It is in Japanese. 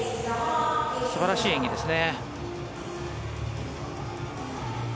素晴らしい演技ですね。